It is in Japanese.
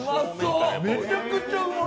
めちゃくちゃうまい。